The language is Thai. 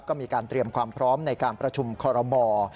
ก็มีการเตรียมความพร้อมในการประชุมคอรมอ